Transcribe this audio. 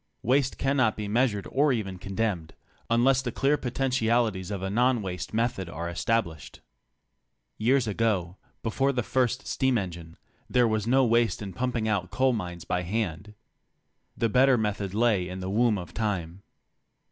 Waste cannot be measured or even condemned, unless the clear potentialities of a non waste method are established. Two hundred years ago — before the first steam engine — there was no waste in pump ing out coal mines by hand. The better method lay in the womb of time.